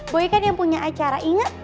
boy kan yang punya acara inget